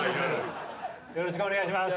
よろしくお願いします。